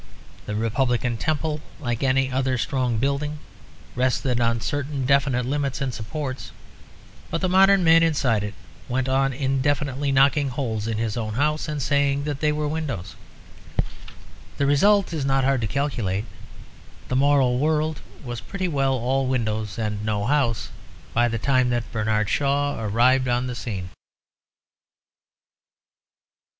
The republican temple, like any other strong building, rested on certain definite limits and supports. But the modern man inside it went on indefinitely knocking holes in his own house and saying that they were windows. The result is not hard to calculate: the moral world was pretty well all windows and no house by the time that Bernard Shaw arrived on the scene.